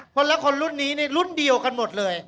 คนละคนรุ่นนี้นี่รุ่นเดียวกันหมดเลย